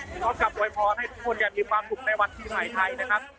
พร้อมกับวัยพร้อมให้ทุกคนอย่างมีความสุขในวัฒน์ที่ไหนไทยนะครับ